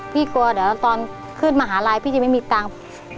กลัวเดี๋ยวตอนขึ้นมหาลัยพี่จะไม่มีตังค์